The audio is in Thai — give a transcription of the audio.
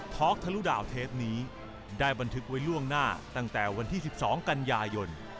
พอกทะลุดาวเทปนี้ได้บันทึกไว้ล่วงหน้าตั้งแต่วันที่๑๒กันยายน